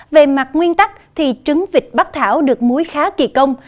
về mặt nguyên tắc thì trứng vịt bắc thảo được muối khá kỳ công